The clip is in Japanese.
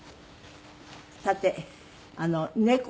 さて猫。